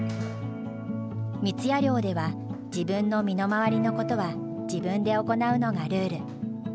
三矢寮では自分の身の回りのことは自分で行うのがルール。